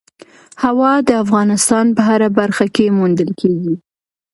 هوا د افغانستان په هره برخه کې موندل کېږي.